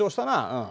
うん。